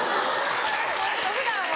普段は。